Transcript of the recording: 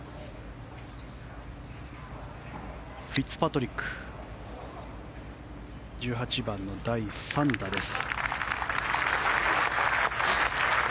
フィッツパトリック１８番の第３打です。